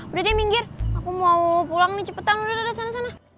udah dia minggir aku mau pulang nih cepetan udah ada sana sana